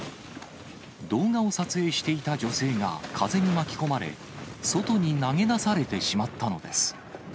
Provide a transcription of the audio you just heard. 動画を撮影していた女性が風に巻き込まれ、外に投げ出されてしまったのです。